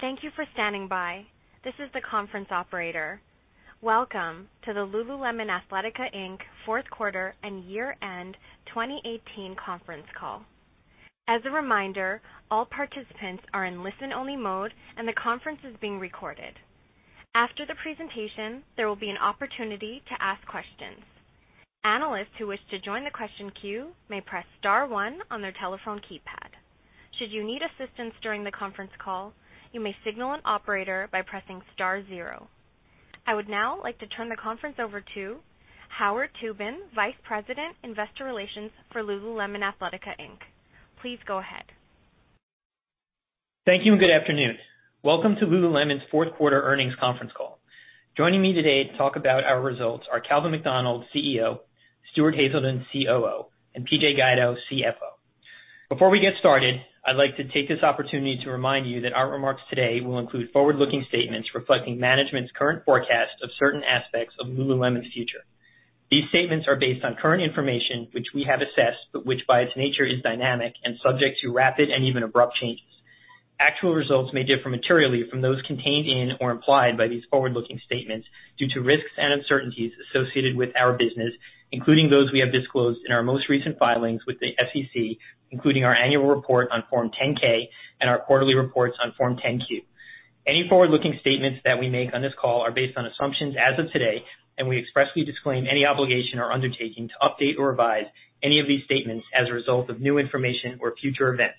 Thank you for standing by. This is the conference operator. Welcome to the Lululemon Athletica Inc. fourth quarter and year-end 2018 conference call. As a reminder, all participants are in listen-only mode, and the conference is being recorded. After the presentation, there will be an opportunity to ask questions. Analysts who wish to join the question queue may press star one on their telephone keypad. Should you need assistance during the conference call, you may signal an operator by pressing star zero. I would now like to turn the conference over to Howard Tubin, Vice President, Investor Relations for Lululemon Athletica Inc. Please go ahead. Thank you and good afternoon. Welcome to Lululemon's fourth quarter earnings conference call. Joining me today to talk about our results are Calvin McDonald, CEO, Stuart Haselden, COO, and PJ Guido, CFO. Before we get started, I'd like to take this opportunity to remind you that our remarks today will include forward-looking statements reflecting management's current forecast of certain aspects of Lululemon's future. These statements are based on current information, which we have assessed, but which by its nature is dynamic and subject to rapid and even abrupt changes. Actual results may differ materially from those contained in or implied by these forward-looking statements due to risks and uncertainties associated with our business, including those we have disclosed in our most recent filings with the SEC, including our annual report on Form 10-K and our quarterly reports on Form 10-Q. Any forward-looking statements that we make on this call are based on assumptions as of today. We expressly disclaim any obligation or undertaking to update or revise any of these statements as a result of new information or future events.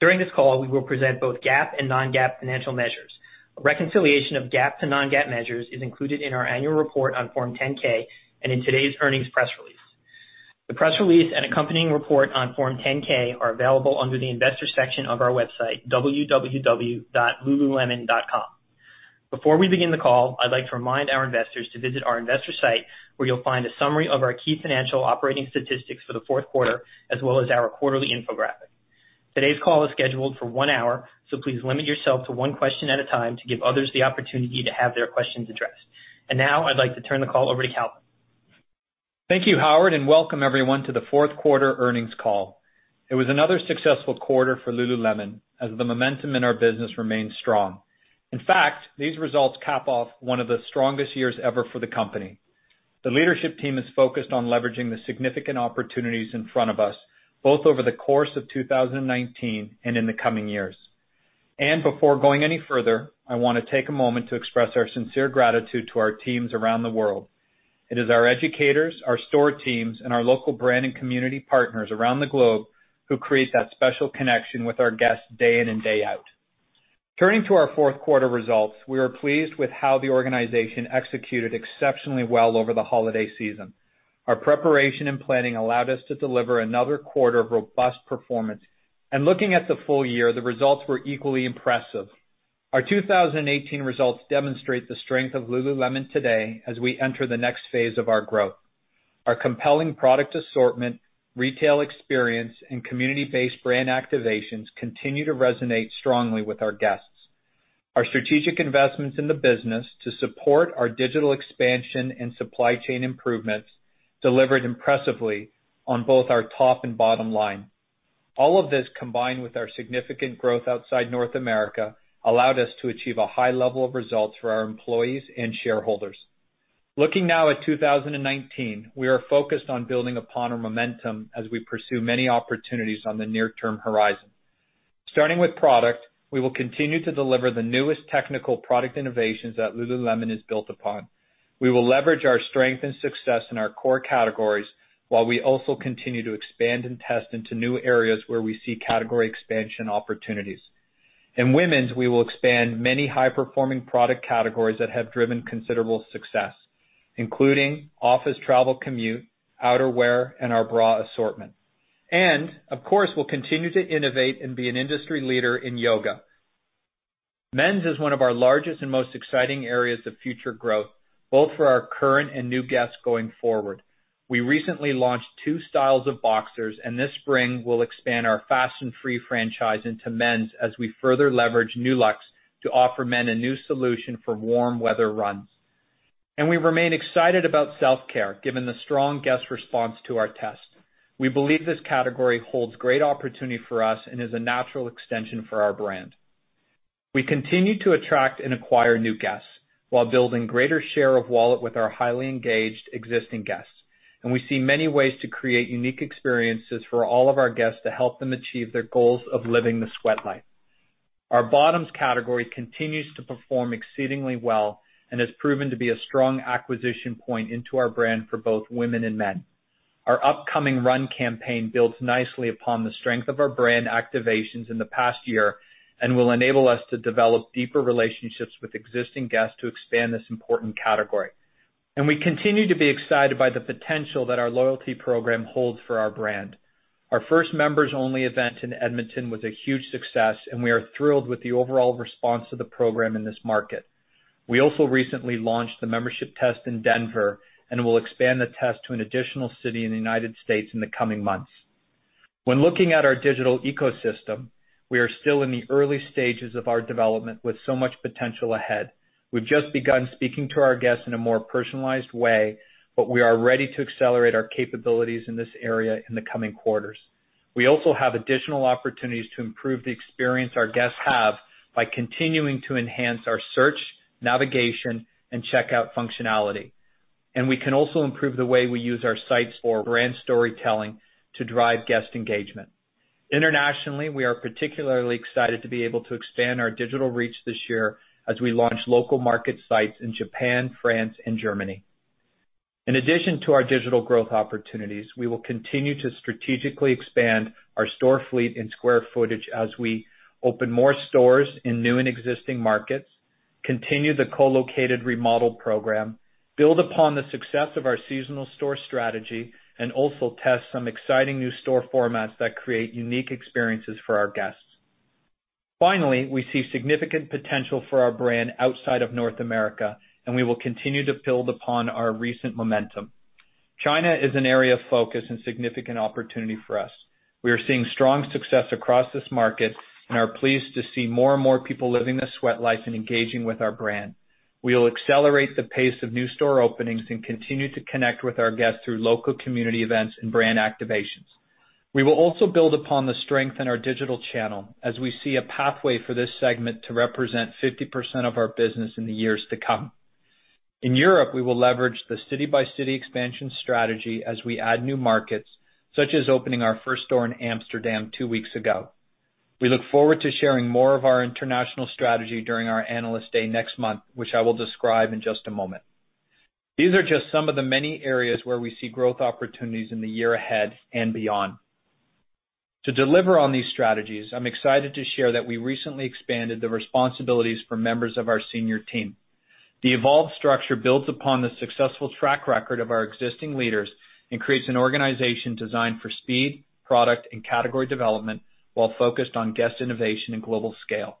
During this call, we will present both GAAP and non-GAAP financial measures. A reconciliation of GAAP to non-GAAP measures is included in our annual report on Form 10-K and in today's earnings press release. The press release and accompanying report on Form 10-K are available under the Investors section of our website, www.lululemon.com. Before we begin the call, I'd like to remind our investors to visit our investor site, where you'll find a summary of our key financial operating statistics for the fourth quarter, as well as our quarterly infographic. Today's call is scheduled for one hour. Please limit yourself to one question at a time to give others the opportunity to have their questions addressed. Now I'd like to turn the call over to Calvin. Thank you, Howard, and welcome everyone to the fourth quarter earnings call. It was another successful quarter for Lululemon as the momentum in our business remains strong. In fact, these results cap off one of the strongest years ever for the company. The leadership team is focused on leveraging the significant opportunities in front of us, both over the course of 2019 and in the coming years. Before going any further, I want to take a moment to express our sincere gratitude to our teams around the world. It is our educators, our store teams, and our local brand and community partners around the globe who create that special connection with our guests day in and day out. Turning to our fourth quarter results, we are pleased with how the organization executed exceptionally well over the holiday season. Our preparation and planning allowed us to deliver another quarter of robust performance. Looking at the full year, the results were equally impressive. Our 2018 results demonstrate the strength of Lululemon today as we enter the next phase of our growth. Our compelling product assortment, retail experience, and community-based brand activations continue to resonate strongly with our guests. Our strategic investments in the business to support our digital expansion and supply chain improvements delivered impressively on both our top and bottom line. All of this, combined with our significant growth outside North America, allowed us to achieve a high level of results for our employees and shareholders. Looking now at 2019, we are focused on building upon our momentum as we pursue many opportunities on the near-term horizon. Starting with product, we will continue to deliver the newest technical product innovations that Lululemon is built upon. We will leverage our strength and success in our core categories while we also continue to expand and test into new areas where we see category expansion opportunities. In women's, we will expand many high-performing product categories that have driven considerable success, including office travel commute, outerwear, and our bra assortment. Of course, we'll continue to innovate and be an industry leader in yoga. Men's is one of our largest and most exciting areas of future growth, both for our current and new guests going forward. We recently launched two styles of boxers, this spring, we'll expand our Fast and Free franchise into men's as we further leverage Nulux to offer men a new solution for warm weather runs. We remain excited about self-care, given the strong guest response to our test. We believe this category holds great opportunity for us and is a natural extension for our brand. We continue to attract and acquire new guests while building greater share of wallet with our highly engaged existing guests, we see many ways to create unique experiences for all of our guests to help them achieve their goals of living the sweat life. Our bottoms category continues to perform exceedingly well and has proven to be a strong acquisition point into our brand for both women and men. Our upcoming run campaign builds nicely upon the strength of our brand activations in the past year and will enable us to develop deeper relationships with existing guests to expand this important category. We continue to be excited by the potential that our loyalty program holds for our brand. Our first members-only event in Edmonton was a huge success, and we are thrilled with the overall response to the program in this market. We also recently launched the membership test in Denver and will expand the test to an additional city in the U.S. in the coming months. When looking at our digital ecosystem, we are still in the early stages of our development with so much potential ahead. We've just begun speaking to our guests in a more personalized way, but we are ready to accelerate our capabilities in this area in the coming quarters. We also have additional opportunities to improve the experience our guests have by continuing to enhance our search, navigation, and checkout functionality. We can also improve the way we use our sites for brand storytelling to drive guest engagement. Internationally, we are particularly excited to be able to expand our digital reach this year as we launch local market sites in Japan, France, and Germany. In addition to our digital growth opportunities, we will continue to strategically expand our store fleet and square footage as we open more stores in new and existing markets, continue the co-located remodel program, build upon the success of our seasonal store strategy, and also test some exciting new store formats that create unique experiences for our guests. Finally, we see significant potential for our brand outside of North America, and we will continue to build upon our recent momentum. China is an area of focus and significant opportunity for us. We are seeing strong success across this market and are pleased to see more and more people living the sweat life and engaging with our brand. We will accelerate the pace of new store openings and continue to connect with our guests through local community events and brand activations. We will also build upon the strength in our digital channel as we see a pathway for this segment to represent 50% of our business in the years to come. In Europe, we will leverage the city-by-city expansion strategy as we add new markets, such as opening our first store in Amsterdam two weeks ago. We look forward to sharing more of our international strategy during our Analyst Day next month, which I will describe in just a moment. These are just some of the many areas where we see growth opportunities in the year ahead and beyond. To deliver on these strategies, I'm excited to share that we recently expanded the responsibilities for members of our senior team. The evolved structure builds upon the successful track record of our existing leaders and creates an organization designed for speed, product, and category development while focused on guest innovation and global scale.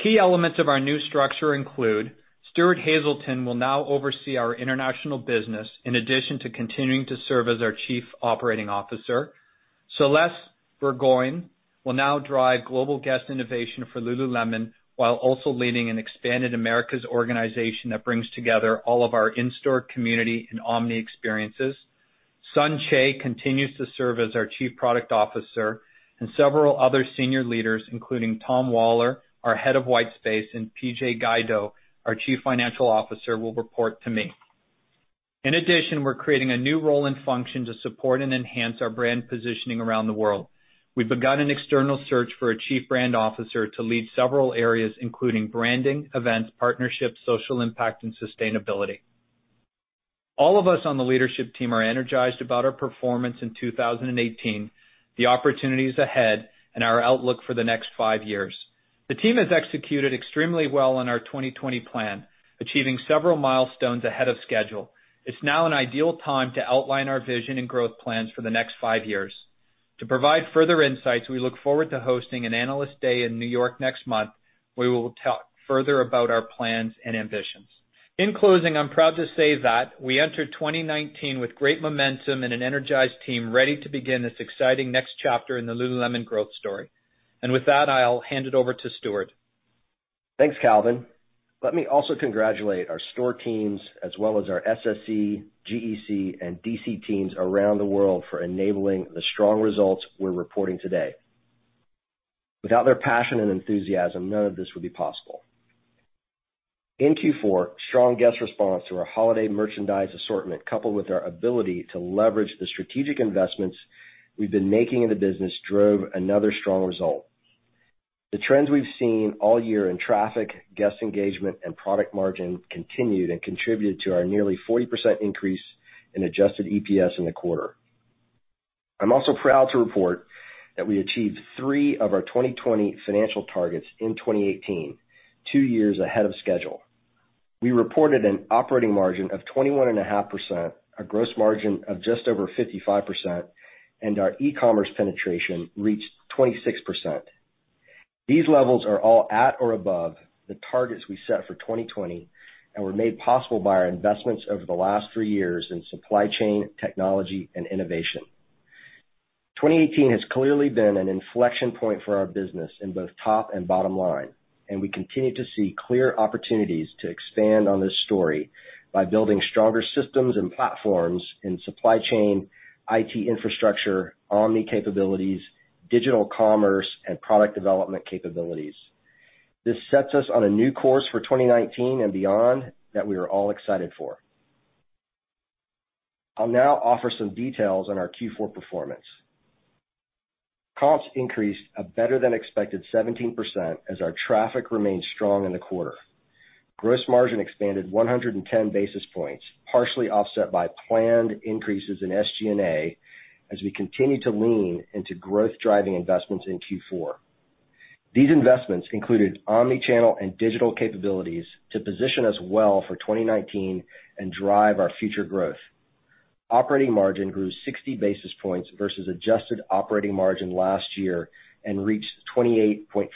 Key elements of our new structure include Stuart Haselden will now oversee our international business in addition to continuing to serve as our Chief Operating Officer. Celeste Burgoyne will now drive global guest innovation for Lululemon while also leading an expanded Americas organization that brings together all of our in-store community and omni experiences. Sun Choe continues to serve as our Chief Product Officer, and several other senior leaders, including Tom Waller, our head of white space, and PJ Guido, our Chief Financial Officer, will report to me. In addition, we're creating a new role and function to support and enhance our brand positioning around the world. We've begun an external search for a chief brand officer to lead several areas, including branding, events, partnerships, social impact, and sustainability. All of us on the leadership team are energized about our performance in 2018, the opportunities ahead, and our outlook for the next five years. The team has executed extremely well on our 2020 plan, achieving several milestones ahead of schedule. It's now an ideal time to outline our vision and growth plans for the next five years. To provide further insights, we look forward to hosting an Analyst Day in New York next month. We will talk further about our plans and ambitions. In closing, I'm proud to say that we enter 2019 with great momentum and an energized team ready to begin this exciting next chapter in the Lululemon growth story. With that, I'll hand it over to Stuart. Thanks, Calvin. Let me also congratulate our store teams, as well as our SSC, GEC, and DC teams around the world for enabling the strong results we're reporting today. Without their passion and enthusiasm, none of this would be possible. In Q4, strong guest response to our holiday merchandise assortment, coupled with our ability to leverage the strategic investments we've been making in the business, drove another strong result. The trends we've seen all year in traffic, guest engagement, and product margin continued and contributed to our nearly 40% increase in adjusted EPS in the quarter. I'm also proud to report that we achieved three of our 2020 financial targets in 2018, two years ahead of schedule. We reported an operating margin of 21.5%, a gross margin of just over 55%, and our e-commerce penetration reached 26%. These levels are all at or above the targets we set for 2020 and were made possible by our investments over the last three years in supply chain, technology, and innovation. 2018 has clearly been an inflection point for our business in both top and bottom line, and we continue to see clear opportunities to expand on this story by building stronger systems and platforms in supply chain, IT infrastructure, omni capabilities, digital commerce, and product development capabilities. This sets us on a new course for 2019 and beyond that we are all excited for. I'll now offer some details on our Q4 performance. Comps increased a better-than-expected 17% as our traffic remained strong in the quarter. Gross margin expanded 110 basis points, partially offset by planned increases in SG&A as we continued to lean into growth-driving investments in Q4. These investments included omnichannel and digital capabilities to position us well for 2019 and drive our future growth. Operating margin grew 60 basis points versus adjusted operating margin last year and reached 28.4%.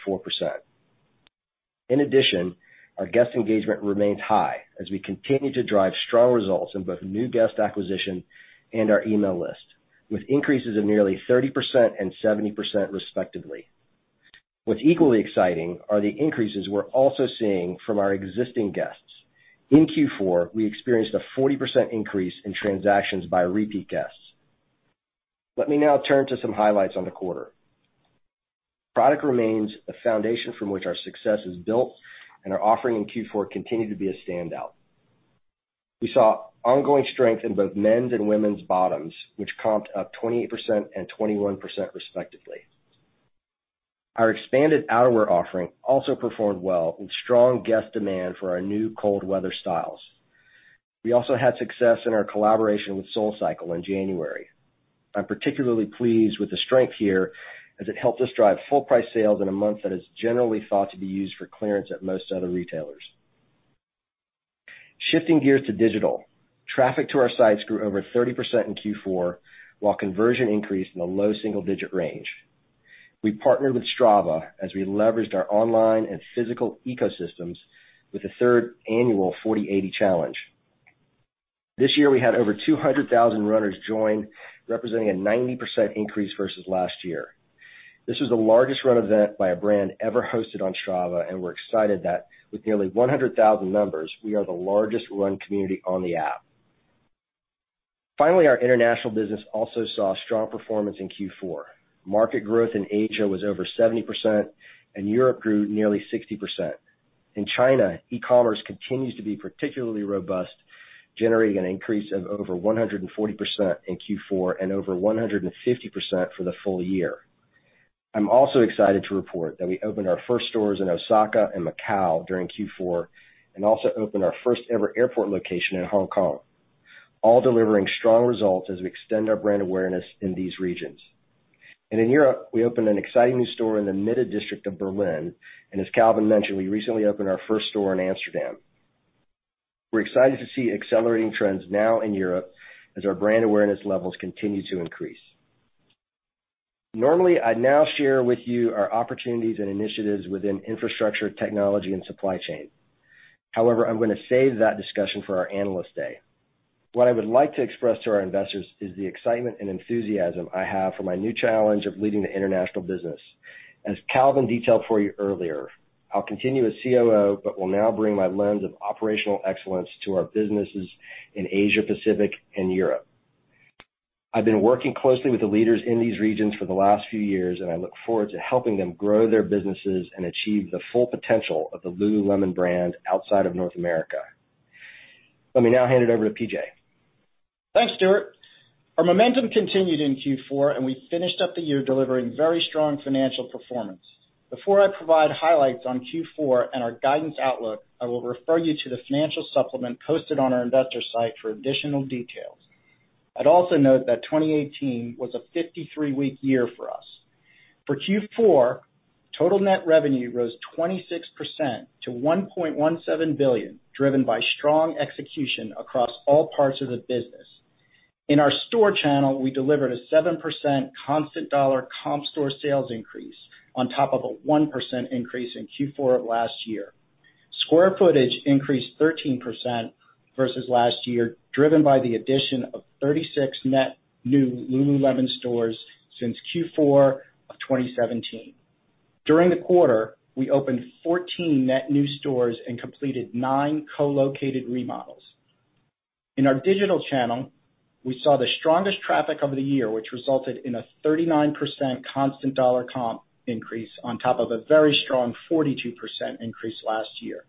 In addition, our guest engagement remained high as we continued to drive strong results in both new guest acquisition and our email list, with increases of nearly 30% and 70% respectively. What's equally exciting are the increases we're also seeing from our existing guests. In Q4, we experienced a 40% increase in transactions by repeat guests. Let me now turn to some highlights on the quarter. Product remains the foundation from which our success is built, and our offering in Q4 continued to be a standout. We saw ongoing strength in both men's and women's bottoms, which comp'd up 28% and 21% respectively. Our expanded outerwear offering also performed well with strong guest demand for our new cold weather styles. We also had success in our collaboration with SoulCycle in January. I'm particularly pleased with the strength here, as it helped us drive full price sales in a month that is generally thought to be used for clearance at most other retailers. Shifting gears to digital. Traffic to our sites grew over 30% in Q4, while conversion increased in the low single-digit range. We partnered with Strava as we leveraged our online and physical ecosystems with the third annual 40|80 challenge. This year, we had over 200,000 runners join, representing a 90% increase versus last year. This was the largest run event by a brand ever hosted on Strava, and we're excited that with nearly 100,000 members, we are the largest run community on the app. Finally, our international business also saw strong performance in Q4. Market growth in Asia was over 70%, and Europe grew nearly 60%. In China, e-commerce continues to be particularly robust, generating an increase of over 140% in Q4 and over 150% for the full year. I'm also excited to report that we opened our first stores in Osaka and Macau during Q4, and also opened our first ever airport location in Hong Kong, all delivering strong results as we extend our brand awareness in these regions. In Europe, we opened an exciting new store in the Mitte district of Berlin, and as Calvin mentioned, we recently opened our first store in Amsterdam. We're excited to see accelerating trends now in Europe as our brand awareness levels continue to increase. Normally, I'd now share with you our opportunities and initiatives within infrastructure, technology, and supply chain. However, I'm going to save that discussion for our Analyst Day. What I would like to express to our investors is the excitement and enthusiasm I have for my new challenge of leading the international business. As Calvin detailed for you earlier, I'll continue as COO, but will now bring my lens of operational excellence to our businesses in Asia Pacific and Europe. I've been working closely with the leaders in these regions for the last few years, and I look forward to helping them grow their businesses and achieve the full potential of the Lululemon brand outside of North America. Let me now hand it over to PJ. Thanks, Stuart. Our momentum continued in Q4, and we finished up the year delivering very strong financial performance. Before I provide highlights on Q4 and our guidance outlook, I will refer you to the financial supplement posted on our investor site for additional details. I'd also note that 2018 was a 53-week year for us. For Q4, total net revenue rose 26% to $1.17 billion, driven by strong execution across all parts of the business. In our store channel, we delivered a 7% constant dollar comp store sales increase on top of a 1% increase in Q4 of last year. Square footage increased 13% versus last year, driven by the addition of 36 net new Lululemon stores since Q4 of 2017. During the quarter, we opened 14 net new stores and completed nine co-located remodels. In our digital channel, we saw the strongest traffic of the year, which resulted in a 39% constant dollar comp increase on top of a very strong 42% increase last year.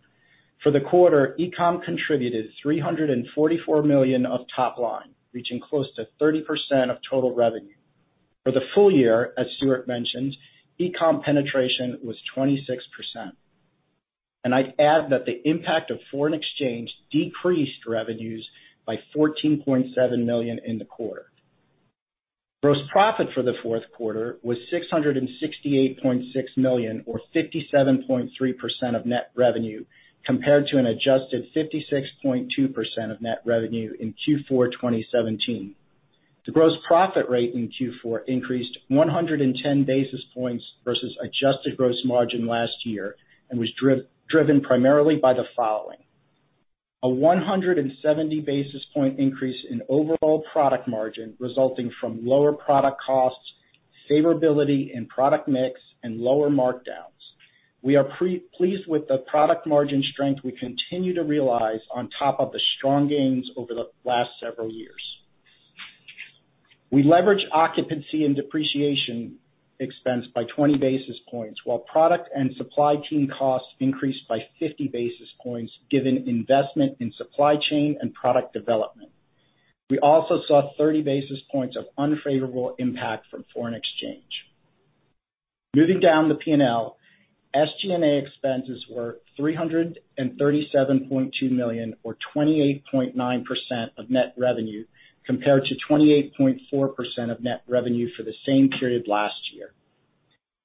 For the quarter, e-com contributed $344 million of top line, reaching close to 30% of total revenue. For the full year, as Stuart mentioned, e-com penetration was 26%. I'd add that the impact of foreign exchange decreased revenues by $14.7 million in the quarter. Gross profit for the fourth quarter was $668.6 million, or 57.3% of net revenue, compared to an adjusted 56.2% of net revenue in Q4 2017. The gross profit rate in Q4 increased 110 basis points versus adjusted gross margin last year and was driven primarily by the following. A 170 basis point increase in overall product margin resulting from lower product costs, favorability in product mix, and lower markdowns. We are pleased with the product margin strength we continue to realize on top of the strong gains over the last several years. We leveraged occupancy and depreciation expense by 20 basis points, while product and supply chain costs increased by 50 basis points, given investment in supply chain and product development. We also saw 30 basis points of unfavorable impact from foreign exchange. Moving down the P&L, SG&A expenses were $337.2 million, or 28.9% of net revenue, compared to 28.4% of net revenue for the same period last year.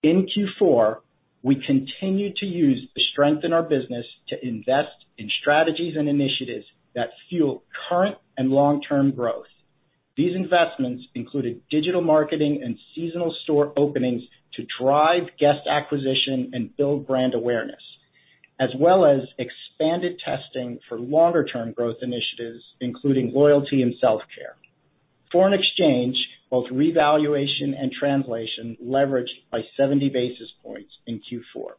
In Q4, we continued to use the strength in our business to invest in strategies and initiatives that fuel current and long-term growth. These investments included digital marketing and seasonal store openings to drive guest acquisition and build brand awareness, as well as expanded testing for longer term growth initiatives, including loyalty and self-care. Foreign exchange, both revaluation and translation, leveraged by 70 basis points in Q4.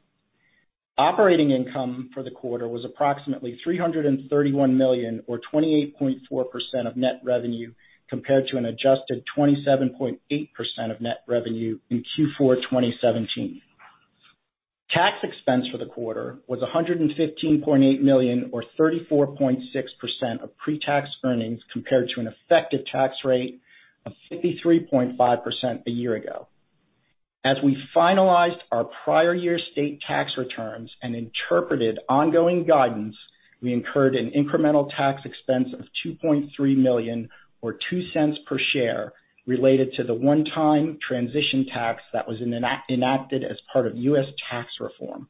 Operating income for the quarter was approximately $331 million or 28.4% of net revenue, compared to an adjusted 27.8% of net revenue in Q4 2017. Tax expense for the quarter was $115.8 million, or 34.6% of pre-tax earnings, compared to an effective tax rate of 53.5% a year ago. As we finalized our prior year state tax returns and interpreted ongoing guidance, we incurred an incremental tax expense of $2.3 million, or $0.02 per share, related to the one-time transition tax that was enacted as part of U.S. tax reform.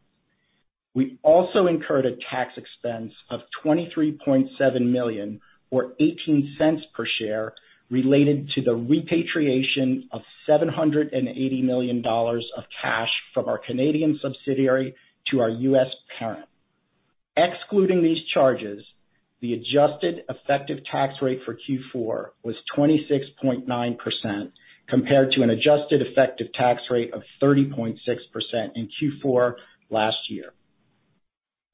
We also incurred a tax expense of $23.7 million, or $0.18 per share, related to the repatriation of $780 million of cash from our Canadian subsidiary to our U.S. parent. Excluding these charges, the adjusted effective tax rate for Q4 was 26.9%, compared to an adjusted effective tax rate of 30.6% in Q4 last year.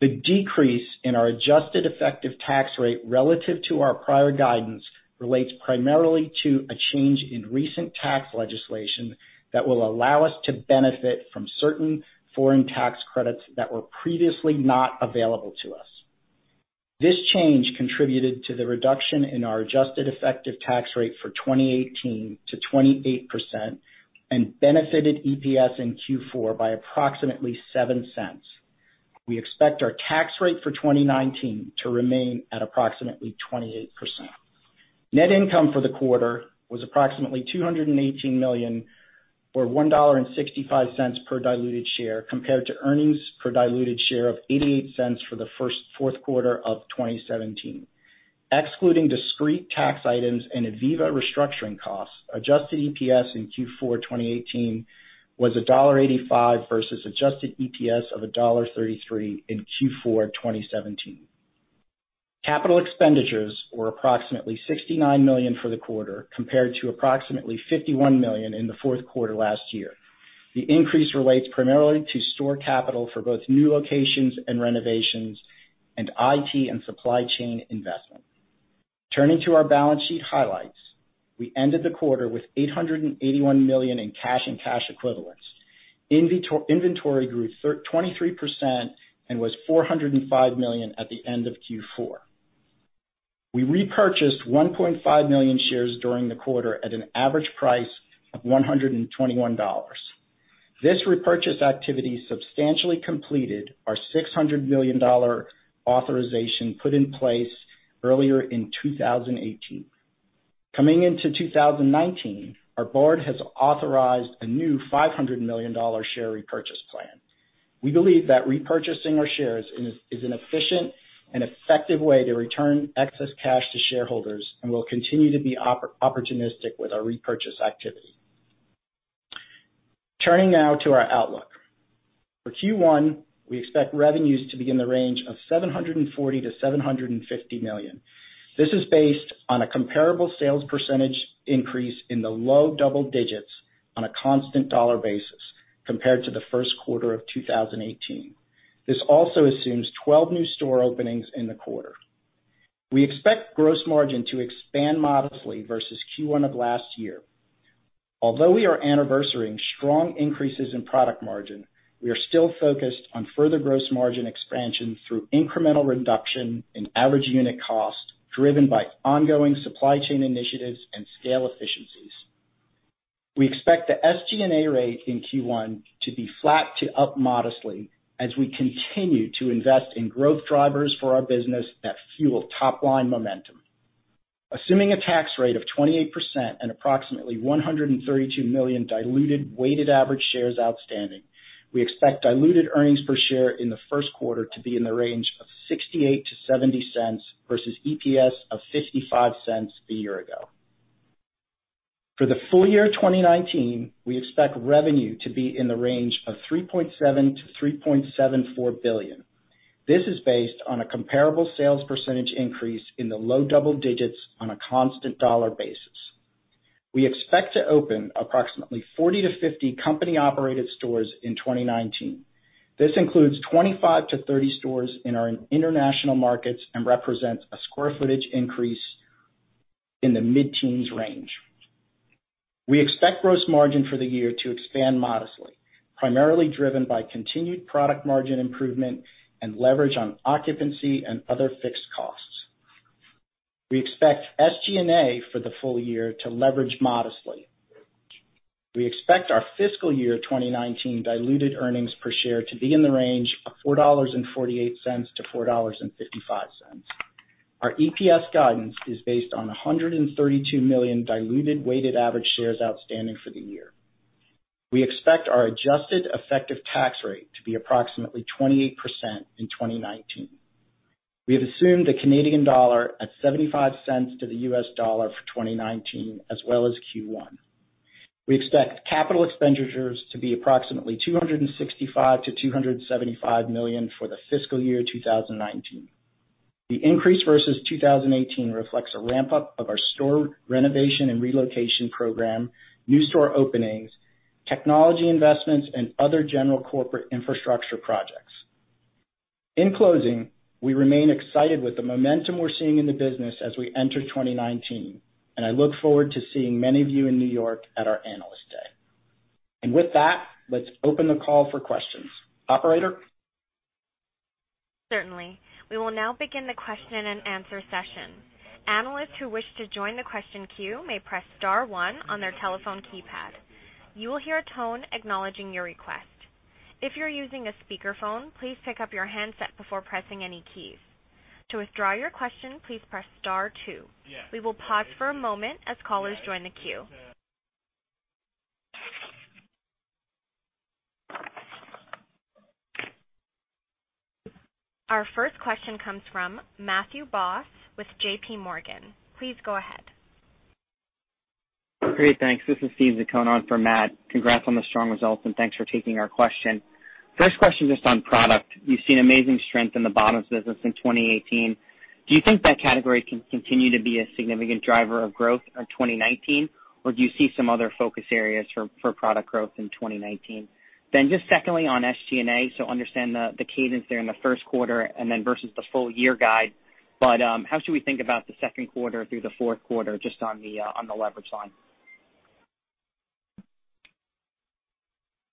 The decrease in our adjusted effective tax rate relative to our prior guidance relates primarily to a change in recent tax legislation that will allow us to benefit from certain foreign tax credits that were previously not available to us. This change contributed to the reduction in our adjusted effective tax rate for 2018 to 28% and benefited EPS in Q4 by approximately $0.07. We expect our tax rate for 2019 to remain at approximately 28%. Net income for the quarter was approximately $218 million, or $1.65 per diluted share, compared to earnings per diluted share of $0.88 for the fourth quarter of 2017. Excluding discrete tax items and ivivva restructuring costs, adjusted EPS in Q4 2018 was $1.85 versus adjusted EPS of $1.33 in Q4 2017. Capital expenditures were approximately $69 million for the quarter, compared to approximately $51 million in the fourth quarter last year. The increase relates primarily to store capital for both new locations and renovations, and IT and supply chain investment. Turning to our balance sheet highlights. We ended the quarter with $881 million in cash and cash equivalents. Inventory grew 23% and was $405 million at the end of Q4. We repurchased 1.5 million shares during the quarter at an average price of $121. This repurchase activity substantially completed our $600 million authorization put in place earlier in 2018. Coming into 2019, our board has authorized a new $500 million share repurchase plan. We believe that repurchasing our shares is an efficient and effective way to return excess cash to shareholders, and we'll continue to be opportunistic with our repurchase activity. Turning now to our outlook. For Q1, we expect revenues to be in the range of $740 million-$750 million. This is based on a comparable sales percentage increase in the low double digits on a constant dollar basis compared to the first quarter of 2018. This also assumes 12 new store openings in the quarter. We expect gross margin to expand modestly versus Q1 of last year. Although we are anniversarying strong increases in product margin, we are still focused on further gross margin expansion through incremental reduction in average unit cost, driven by ongoing supply chain initiatives and scale efficiencies. We expect the SG&A rate in Q1 to be flat to up modestly as we continue to invest in growth drivers for our business that fuel top line momentum. Assuming a tax rate of 28% and approximately 132 million diluted weighted average shares outstanding, we expect diluted earnings per share in the first quarter to be in the range of $0.68-$0.70, versus EPS of $0.55 a year ago. For the full year 2019, we expect revenue to be in the range of $3.7 billion-$3.74 billion. This is based on a comparable sales percentage increase in the low double digits on a constant dollar basis. We expect to open approximately 40-50 company operated stores in 2019. This includes 25-30 stores in our international markets and represents a square footage increase in the mid-teens range. We expect gross margin for the year to expand modestly, primarily driven by continued product margin improvement and leverage on occupancy and other fixed costs. We expect SG&A for the full year to leverage modestly. We expect our fiscal year 2019 diluted earnings per share to be in the range of $4.48-$4.55. Our EPS guidance is based on 132 million diluted weighted average shares outstanding for the year. We expect our adjusted effective tax rate to be approximately 28% in 2019. We have assumed the Canadian dollar at $0.75 to the US dollar for 2019 as well as Q1. We expect capital expenditures to be approximately $265 million-$275 million for the fiscal year 2019. The increase versus 2018 reflects a ramp-up of our store renovation and relocation program, new store openings, technology investments, and other general corporate infrastructure projects. In closing, we remain excited with the momentum we're seeing in the business as we enter 2019, I look forward to seeing many of you in New York at our Analyst Day. With that, let's open the call for questions. Operator? Certainly. We will now begin the question and answer session. Analysts who wish to join the question queue may press star one on their telephone keypad. You will hear a tone acknowledging your request. If you're using a speakerphone, please pick up your handset before pressing any keys. To withdraw your question, please press star two. We will pause for a moment as callers join the queue. Our first question comes from Matthew Boss with JPMorgan. Please go ahead. Great. Thanks. This is Steve Zaccone for Matt. Congrats on the strong results, thanks for taking our question. First question just on product. You've seen amazing strength in the bottoms business in 2018. Do you think that category can continue to be a significant driver of growth in 2019, or do you see some other focus areas for product growth in 2019? Just secondly on SG&A, understand the cadence there in the first quarter and then versus the full year guide, but how should we think about the second quarter through the fourth quarter just on the leverage line?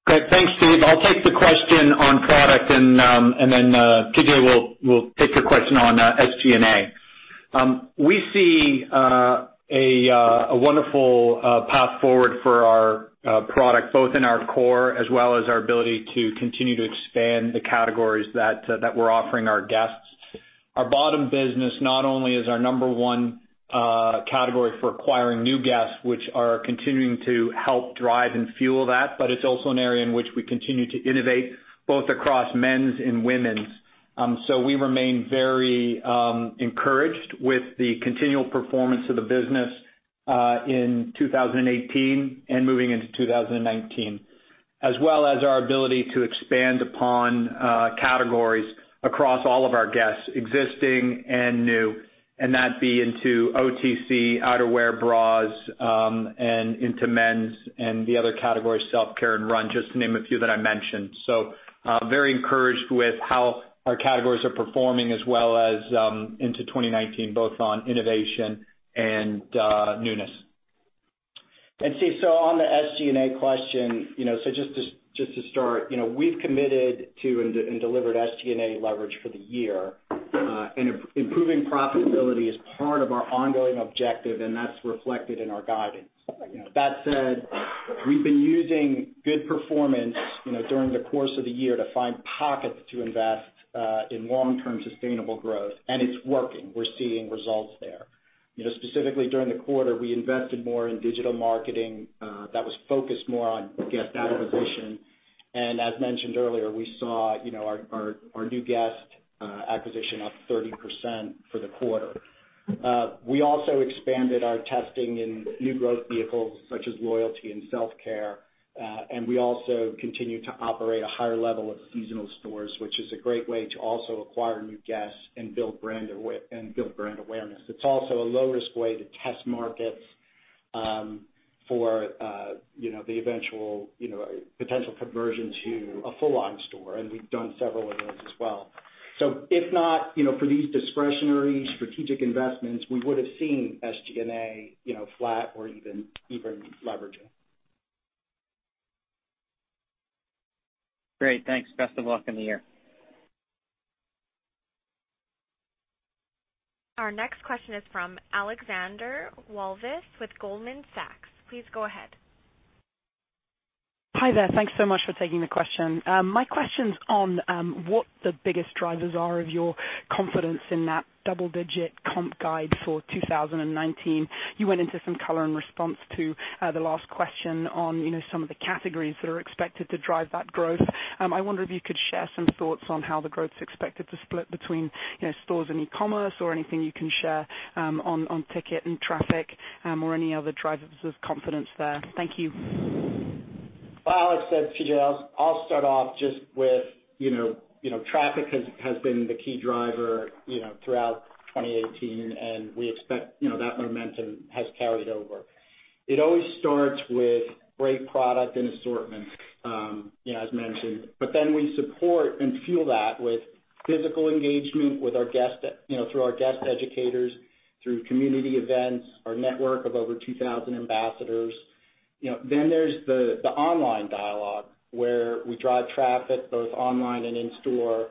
Great. Thanks, Steve. I'll take the question on product PJ will take your question on SG&A. We see a wonderful path forward for our product, both in our core as well as our ability to continue to expand the categories that we're offering our guests. Our bottom business not only is our number one category for acquiring new guests, which are continuing to help drive and fuel that, but it's also an area in which we continue to innovate, both across men's and women's. We remain very encouraged with the continual performance of the business, in 2018 and moving into 2019, as well as our ability to expand upon categories across all of our guests, existing and new, and that be into OTC, outerwear, bras, and into men's and the other categories, self-care and run, just to name a few that I mentioned. Very encouraged with how our categories are performing as well as into 2019, both on innovation and newness. Steve, on the SG&A question, just to start, we've committed to and delivered SG&A leverage for the year, and improving profitability is part of our ongoing objective, and that's reflected in our guidance. That said, we've been using good performance during the course of the year to find pockets to invest in long-term sustainable growth, and it's working. We're seeing results there. Specifically during the quarter, we invested more in digital marketing that was focused more on guest acquisition. As mentioned earlier, we saw our new guest acquisition up 30% for the quarter. We also expanded our testing in new growth vehicles such as loyalty and self-care. We also continue to operate a higher level of seasonal stores, which is a great way to also acquire new guests and build brand awareness. It's also a low-risk way to test markets for the potential conversion to a full-line store, and we've done several of those as well. If not for these discretionary strategic investments, we would have seen SG&A flat or even leveraging. Great. Thanks. Best of luck in the year. Our next question is from Alexandra Walvis with Goldman Sachs. Please go ahead. Hi there. Thanks so much for taking the question. My question's on what the biggest drivers are of your confidence in that double-digit comp guide for 2019. You went into some color in response to the last question on some of the categories that are expected to drive that growth. I wonder if you could share some thoughts on how the growth's expected to split between stores and e-commerce or anything you can share on ticket and traffic, or any other drivers of confidence there. Thank you. Alex, it's PJ Guido. I'll start off just with traffic has been the key driver throughout 2018, and we expect that momentum has carried over. It always starts with great product and assortment, as mentioned, but then we support and fuel that with physical engagement through our guest educators, through community events, our network of over 2,000 ambassadors. There's the online dialogue where we drive traffic both online and in store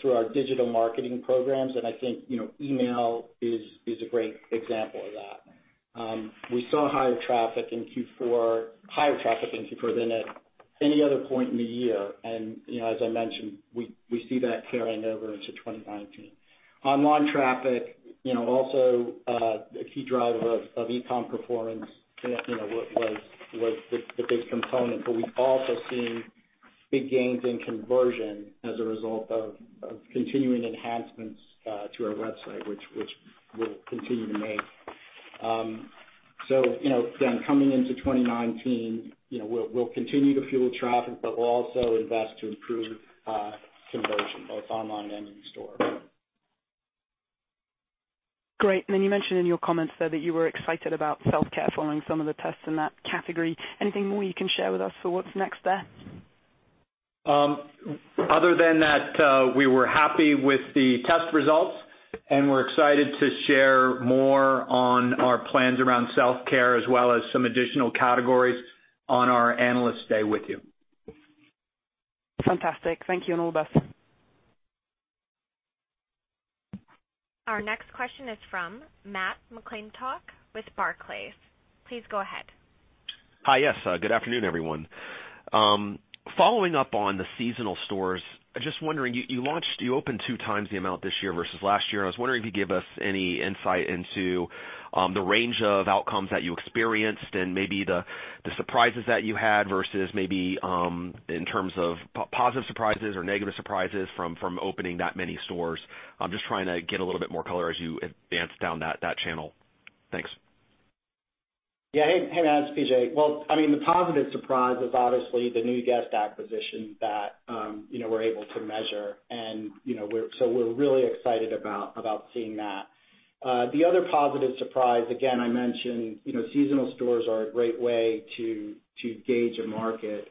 through our digital marketing programs, and I think email is a great example of that. We saw higher traffic in Q4 than at any other point in the year, and as I mentioned, we see that carrying over into 2019. Online traffic, also a key driver of e-com performance, was the big component, but we've also seen Big gains in conversion as a result of continuing enhancements to our website, which we'll continue to make. Coming into 2019, we'll continue to fuel traffic, but we'll also invest to improve conversion, both online and in store. Great. You mentioned in your comments there that you were excited about self-care following some of the tests in that category. Anything more you can share with us for what's next there? Other than that, we were happy with the test results, and we're excited to share more on our plans around self-care as well as some additional categories on our Analyst Day with you. Fantastic. Thank you. All the best. Our next question is from Matt McClintock with Barclays. Please go ahead. Hi. Yes. Good afternoon, everyone. Following up on the seasonal stores, I'm just wondering, you opened two times the amount this year versus last year. I was wondering if you'd give us any insight into the range of outcomes that you experienced and maybe the surprises that you had versus maybe in terms of positive surprises or negative surprises from opening that many stores. I'm just trying to get a little bit more color as you advance down that channel. Thanks. Hey, Matt, it's PJ. The positive surprise is obviously the new guest acquisition that we're able to measure. We're really excited about seeing that. The other positive surprise, again, I mentioned seasonal stores are a great way to gauge a market.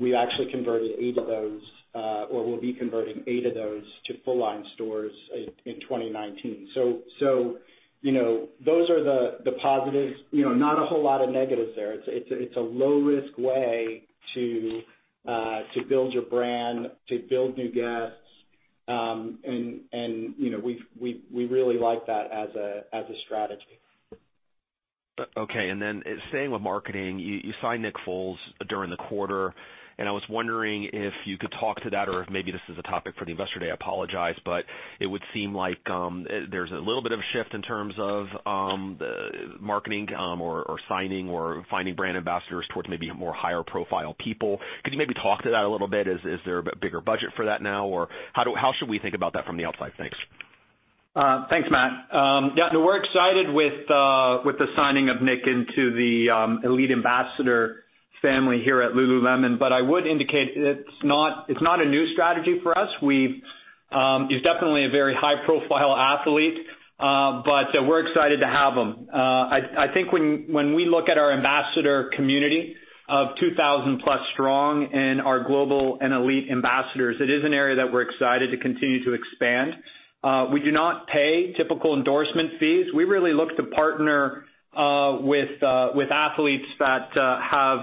We actually converted eight of those, or we'll be converting eight of those to full-line stores in 2019. Those are the positives. Not a whole lot of negatives there. It's a low risk way to build your brand, to build new guests. We really like that as a strategy. Okay. Staying with marketing, you signed Nick Foles during the quarter, and I was wondering if you could talk to that, or if maybe this is a topic for the Investor Day, I apologize. It would seem like there's a little bit of a shift in terms of marketing or signing or finding brand ambassadors towards maybe more higher profile people. Could you maybe talk to that a little bit? Is there a bigger budget for that now? How should we think about that from the outside? Thanks. Thanks, Matt. We're excited with the signing of Nick into the elite ambassador family here at Lululemon. I would indicate it's not a new strategy for us. He's definitely a very high profile athlete, but we're excited to have him. When we look at our ambassador community of 2,000-plus strong in our global and elite ambassadors, it is an area that we're excited to continue to expand. We do not pay typical endorsement fees. We really look to partner with athletes that have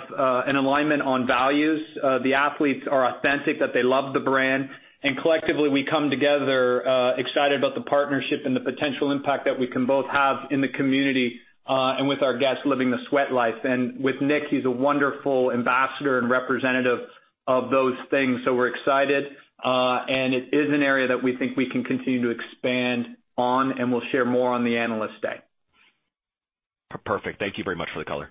an alignment on values. The athletes are authentic, that they love the brand. Collectively, we come together excited about the partnership and the potential impact that we can both have in the community, and with our guests living the sweat life. With Nick, he's a wonderful ambassador and representative of those things. We're excited. It is an area that we think we can continue to expand on, and we'll share more on the Analyst Day. Perfect. Thank you very much for the color.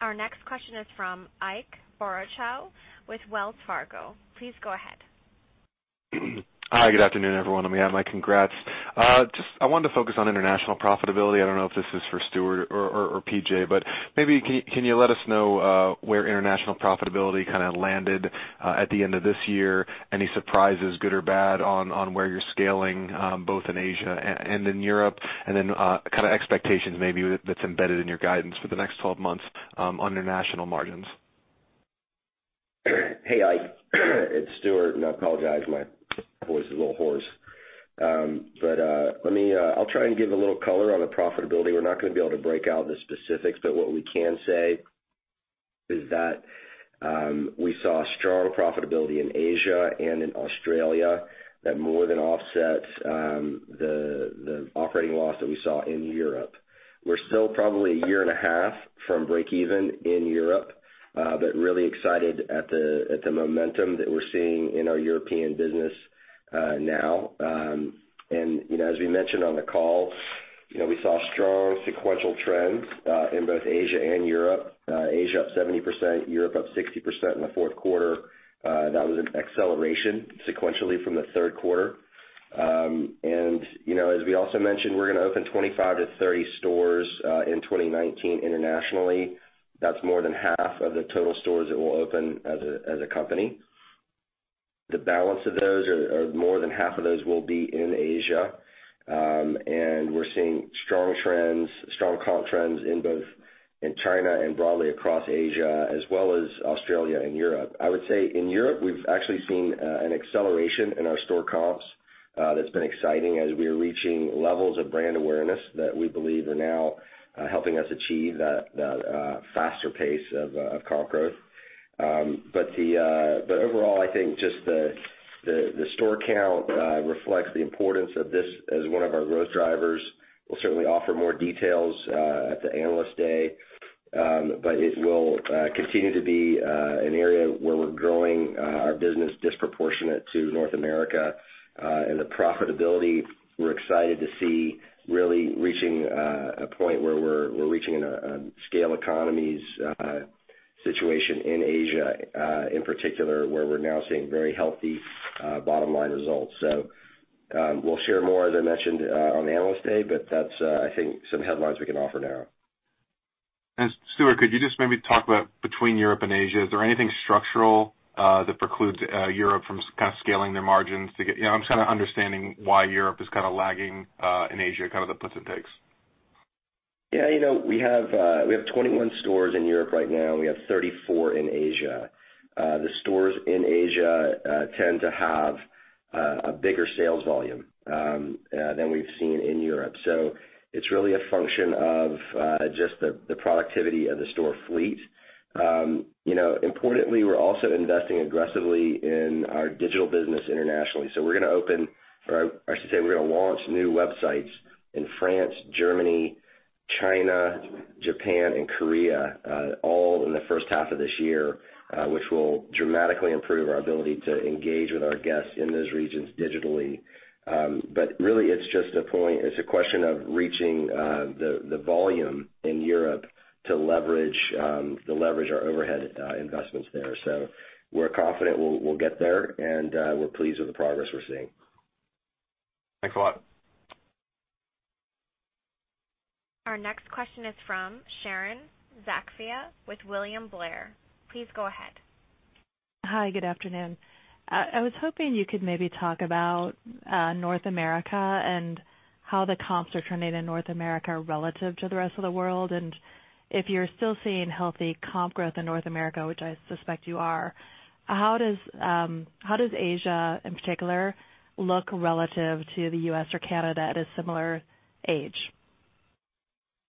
Our next question is from Ike Boruchow with Wells Fargo. Please go ahead. Hi, good afternoon, everyone. Let me add my congrats. I wanted to focus on international profitability. I don't know if this is for Stuart or PJ, but maybe can you let us know where international profitability kind of landed at the end of this year? Any surprises, good or bad, on where you're scaling, both in Asia and in Europe? Then expectations maybe that's embedded in your guidance for the next 12 months on international margins. Hey, Ike. It's Stuart, and I apologize, my voice is a little hoarse. I'll try and give a little color on the profitability. We're not gonna be able to break out the specifics, but what we can say is that we saw strong profitability in Asia and in Australia that more than offsets the operating loss that we saw in Europe. We're still probably a year and a half from break even in Europe, but really excited at the momentum that we're seeing in our European business now. As we mentioned on the call, we saw strong sequential trends, in both Asia and Europe. Asia up 70%, Europe up 60% in the fourth quarter. That was an acceleration sequentially from the third quarter. As we also mentioned, we're gonna open 25 to 30 stores in 2019 internationally. That's more than half of the total stores that we'll open as a company. The balance of those, or more than half of those will be in Asia. We're seeing strong comp trends in both China and broadly across Asia, as well as Australia and Europe. I would say in Europe, we've actually seen an acceleration in our store comps that's been exciting as we are reaching levels of brand awareness that we believe are now helping us achieve that faster pace of comp growth. Overall, I think just the store count reflects the importance of this as one of our growth drivers. We'll certainly offer more details at the Analyst Day. It will continue to be an area where we're growing our business disproportionate to North America. The profitability we're excited to see really reaching a point where we're reaching a scale economies situation in Asia, in particular, where we're now seeing very healthy bottom line results. We'll share more, as I mentioned, on Analyst Day, that's some headlines we can offer now. Stuart, could you just maybe talk about between Europe and Asia, is there anything structural that precludes Europe from scaling their margins? I'm just understanding why Europe is lagging and Asia, kind of the puts and takes. Yeah. We have 21 stores in Europe right now, and we have 34 in Asia. The stores in Asia tend to have a bigger sales volume than we've seen in Europe. It's really a function of just the productivity of the store fleet. Importantly, we're also investing aggressively in our digital business internationally. We're going to open, or I should say, we're going to launch new websites in France, Germany, China, Japan, and Korea, all in the first half of this year, which will dramatically improve our ability to engage with our guests in those regions digitally. Really, it's a question of reaching the volume in Europe to leverage our overhead investments there. We're confident we'll get there, and we're pleased with the progress we're seeing. Thanks a lot. Our next question is from Sharon Zackfia with William Blair. Please go ahead. Hi, good afternoon. I was hoping you could maybe talk about North America and how the comps are trending in North America relative to the rest of the world, and if you're still seeing healthy comp growth in North America, which I suspect you are. How does Asia, in particular, look relative to the U.S. or Canada at a similar age?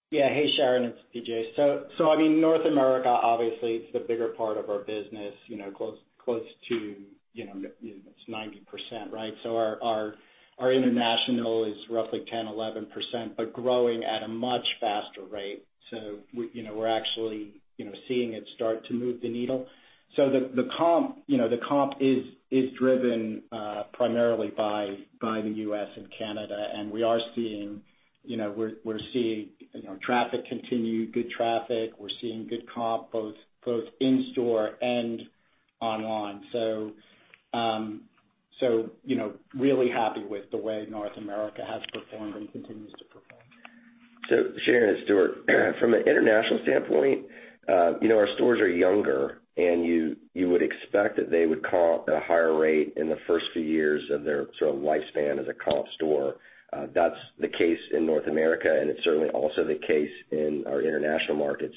Yeah. Hey, Sharon, it's PJ. North America, obviously, it's the bigger part of our business, close to 90%, right? Our international is roughly 10%-11%, but growing at a much faster rate. We're actually seeing it start to move the needle. The comp is driven primarily by the U.S. and Canada, and we're seeing traffic continue, good traffic. We're seeing good comp, both in store and online. Really happy with the way North America has performed and continues to perform. Sharon, it's Stuart. From an international standpoint, our stores are younger, and you would expect that they would comp at a higher rate in the first few years of their sort of lifespan as a comp store. That's the case in North America, and it's certainly also the case in our international markets.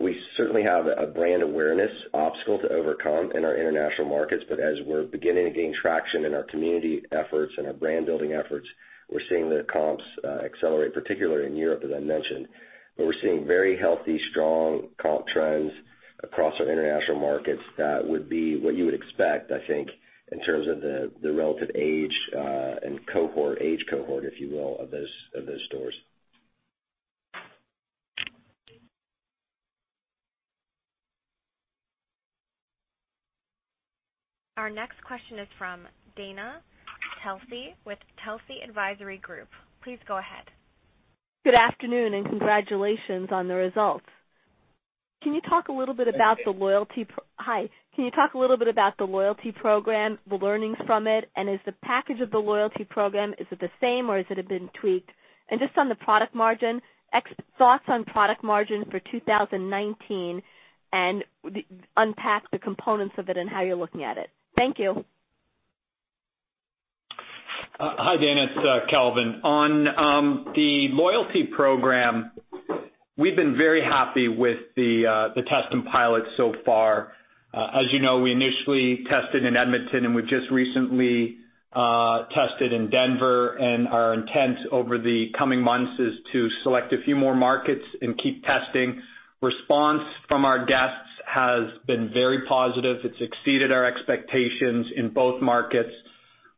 We certainly have a brand awareness obstacle to overcome in our international markets, but as we're beginning to gain traction in our community efforts and our brand building efforts, we're seeing the comps accelerate, particularly in Europe, as I mentioned. We're seeing very healthy, strong comp trends across our international markets that would be what you would expect, I think, in terms of the relative age and cohort, age cohort, if you will, of those stores. Our next question is from Dana Telsey with Telsey Advisory Group. Please go ahead. Good afternoon, congratulations on the results. Hi, can you talk a little bit about the loyalty program, the learnings from it, is the package of the loyalty program, is it the same, or has it been tweaked? Just on the product margin, thoughts on product margin for 2019 and unpack the components of it and how you're looking at it. Thank you. Hi, Dana. It's Calvin. On the loyalty program, we've been very happy with the test and pilot so far. As you know, we initially tested in Edmonton and we've just recently tested in Denver, our intent over the coming months is to select a few more markets and keep testing. Response from our guests has been very positive. It's exceeded our expectations in both markets.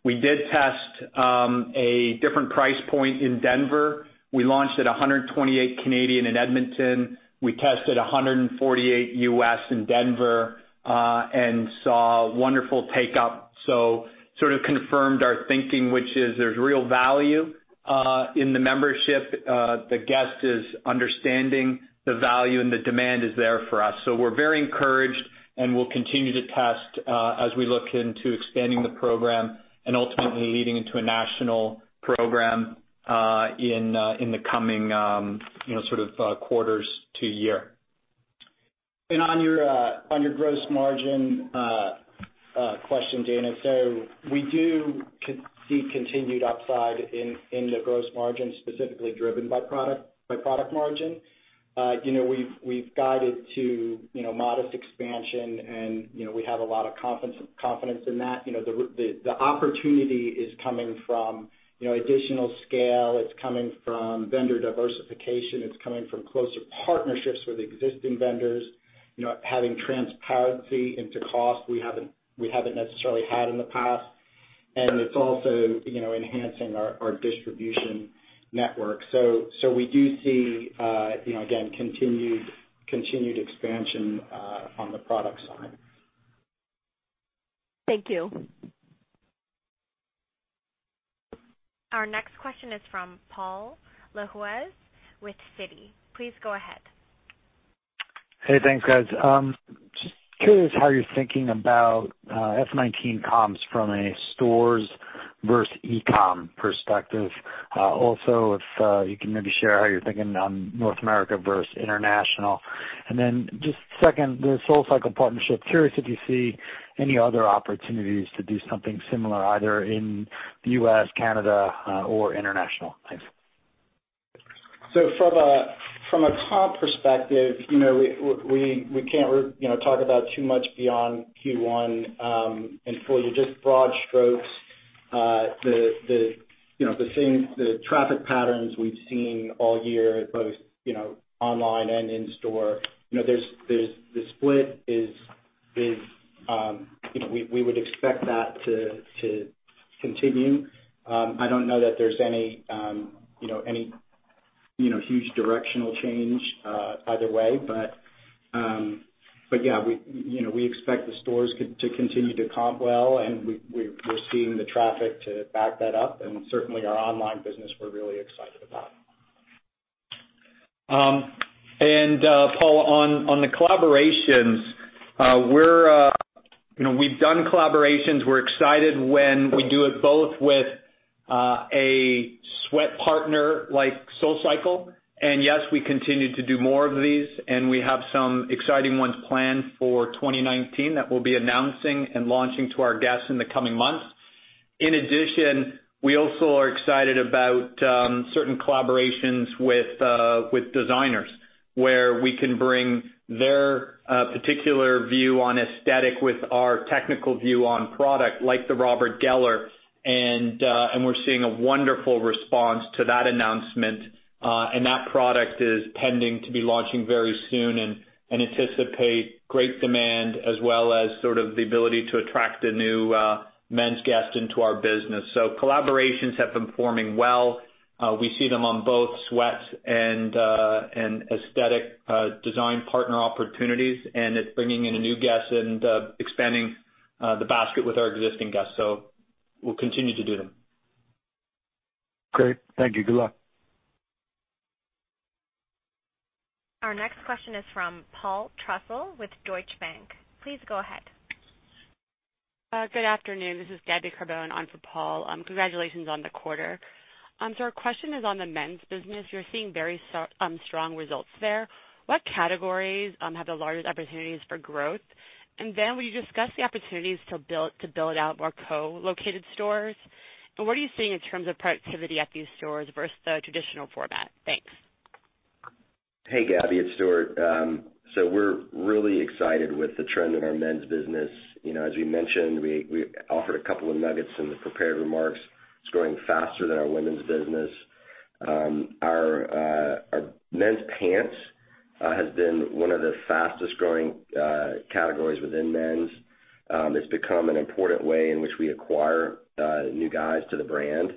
We did test a different price point in Denver. We launched at 128 in Edmonton. We tested $148 in Denver, saw wonderful take up. Sort of confirmed our thinking, which is there's real value in the membership. The guest is understanding the value, the demand is there for us. We're very encouraged, we'll continue to test, as we look into expanding the program and ultimately leading into a national program in the coming quarters to year. On your gross margin question, Dana, we do see continued upside in the gross margin, specifically driven by product margin. We've guided to modest expansion, and we have a lot of confidence in that. The opportunity is coming from additional scale. It's coming from vendor diversification. It's coming from closer partnerships with existing vendors, having transparency into cost we haven't necessarily had in the past. It's also enhancing our distribution network. We do see, again, continued expansion on the product side. Thank you. Our next question is from Paul Lejuez with Citi. Please go ahead. Hey, thanks, guys. Just curious how you're thinking about F19 comps from a stores versus e-com perspective. Also, if you can maybe share how you're thinking on North America versus international. Then just second, the SoulCycle partnership. Curious if you see any other opportunities to do something similar, either in the U.S., Canada, or international. Thanks. From a comp perspective, we can't talk about too much beyond Q1. For you, just broad strokes. The traffic patterns we've seen all year, both online and in store. The split, we would expect that to continue. I don't know that there's any huge directional change either way. Yeah, we expect the stores to continue to comp well, and we're seeing the traffic to back that up, and certainly our online business, we're really excited about. Paul, on the collaborations, we've done collaborations. We're excited when we do it both with a sweat partner like SoulCycle. Yes, we continue to do more of these, and we have some exciting ones planned for 2019 that we'll be announcing and launching to our guests in the coming months. In addition, we also are excited about certain collaborations with designers, where we can bring their particular view on aesthetic with our technical view on product, like the Robert Geller, and we're seeing a wonderful response to that announcement. That product is pending to be launching very soon and anticipate great demand as well as the ability to attract a new men's guest into our business. Collaborations have been performing well. We see them on both sweats and aesthetic design partner opportunities, and it's bringing in a new guest and expanding the basket with our existing guests. We'll continue to do them. Great. Thank you. Good luck. Our next question is from Paul Trussell with Deutsche Bank. Please go ahead. Good afternoon. This is Gabriella Carbone on for Paul. Congratulations on the quarter. Our question is on the men's business. You're seeing very strong results there. What categories have the largest opportunities for growth? Will you discuss the opportunities to build out more co-located stores? What are you seeing in terms of productivity at these stores versus the traditional format? Thanks. Hey, Gabby, it's Stuart. We're really excited with the trend in our men's business. As we mentioned, we offered a couple of nuggets in the prepared remarks. It's growing faster than our women's business. Our men's pants has been one of the fastest-growing categories within men's. It's become an important way in which we acquire new guys to the brand.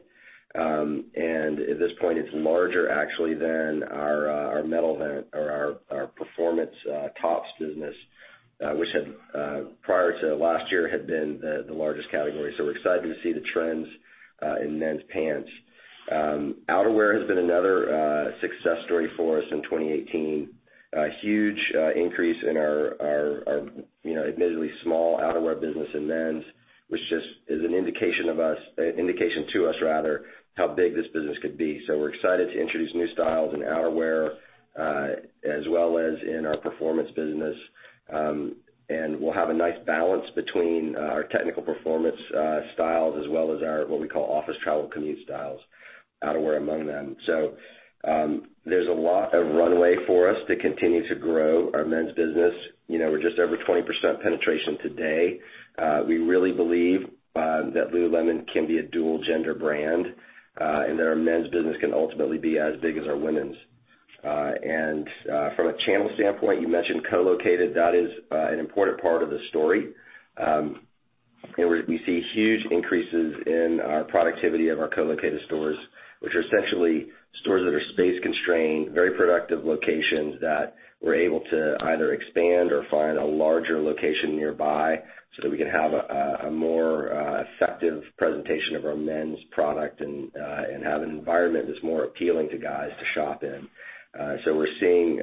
At this point, it's larger actually than our Metal Vent or our performance tops business, which prior to last year, had been the largest category. We're excited to see the trends in men's pants. Outerwear has been another success story for us in 2018. A huge increase in our admittedly small outerwear business in men's, which just is an indication to us, how big this business could be. We're excited to introduce new styles in outerwear, as well as in our performance business. We'll have a nice balance between our technical performance styles as well as our, what we call office travel commute styles, outerwear among them. There's a lot of runway for us to continue to grow our men's business. We're just over 20% penetration today. We really believe that Lululemon can be a dual-gender brand, and that our men's business can ultimately be as big as our women's. From a channel standpoint, you mentioned co-located. That is an important part of the story. We see huge increases in our productivity of our co-located stores, which are essentially stores that are space-constrained, very productive locations that we're able to either expand or find a larger location nearby so that we can have a more effective presentation of our men's product and have an environment that's more appealing to guys to shop in. We're seeing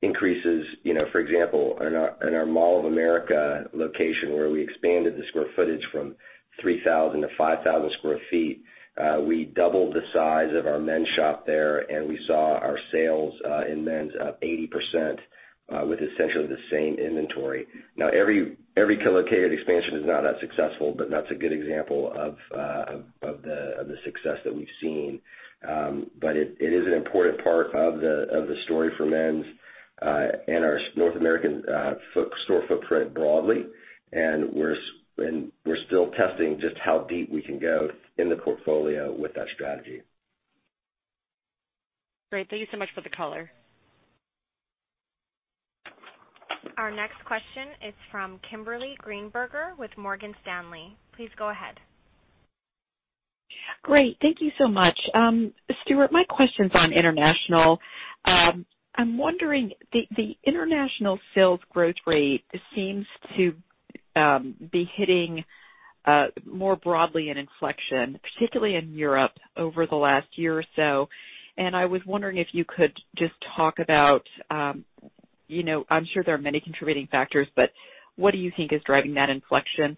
increases, for example, in our Mall of America location where we expanded the square footage from 3,000 to 5,000 square feet. We doubled the size of our men's shop there, and we saw our sales in men's up 80% with essentially the same inventory. Every co-located expansion is not that successful, but that's a good example of the success that we've seen. It is an important part of the story for men's and our North American store footprint broadly. We're still testing just how deep we can go in the portfolio with that strategy. Great. Thank you so much for the color. Our next question is from Kimberly Greenberger with Morgan Stanley. Please go ahead. Great. Thank you so much. Stuart, my question's on international. I'm wondering, the international sales growth rate seems to be hitting more broadly an inflection, particularly in Europe, over the last year or so. I was wondering if you could just talk about, I'm sure there are many contributing factors, but what do you think is driving that inflection?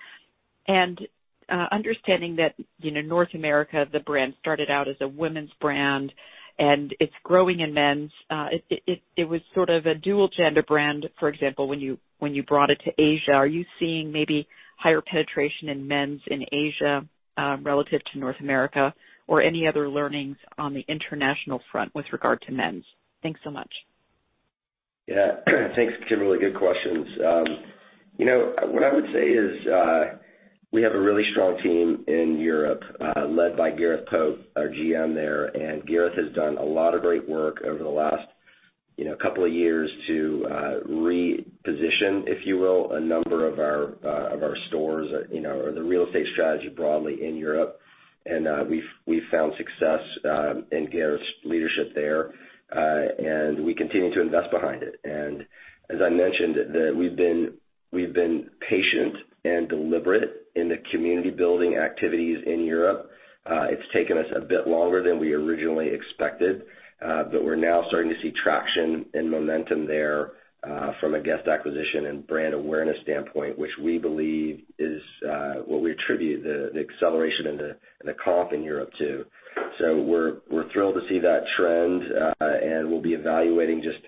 Understanding that North America, the brand started out as a women's brand, and it's growing in men's. It was sort of a dual gender brand, for example, when you brought it to Asia. Are you seeing maybe higher penetration in men's in Asia, relative to North America? Or any other learnings on the international front with regard to men's? Thanks so much. Thanks, Kimberly. Good questions. What I would say is, we have a really strong team in Europe, led by Gareth Pope, our GM there. Gareth has done a lot of great work over the last couple of years to reposition, if you will, a number of our stores or the real estate strategy broadly in Europe. We've found success in Gareth's leadership there. We continue to invest behind it. As I mentioned, we've been patient and deliberate in the community building activities in Europe. It's taken us a bit longer than we originally expected. We're now starting to see traction and momentum there, from a guest acquisition and brand awareness standpoint, which we believe is what we attribute the acceleration and the comp in Europe to. We're thrilled to see that trend, and we'll be evaluating just